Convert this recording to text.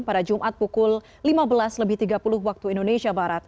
pada jumat pukul lima belas tiga puluh wib